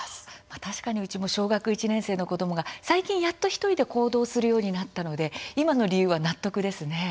確かに、うちも１年生の子どもが確かに１人で行動することになったので今の理由、納得です。